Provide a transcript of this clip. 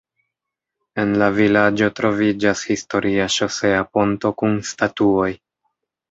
En la vilaĝo troviĝas historia ŝosea ponto kun statuoj.